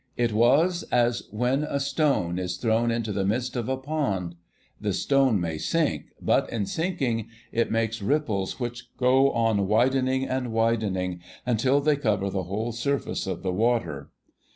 It was as when a stone is thrown into the midst of a pond. The stone may sink, but in sinking it makes ripples which go on widening and widening until they cover the whole surface of the water.